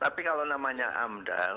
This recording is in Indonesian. tapi kalau namanya amdal